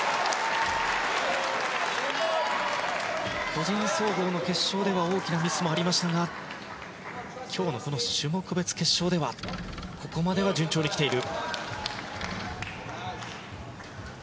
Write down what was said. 個人総合の決勝では大きなミスもありましたが今日の種目別決勝ではここまでは順調に来ている。